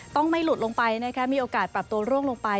ต้องไม่หลุดลงไปมีโอกาสปรับตัวร่วงลงไป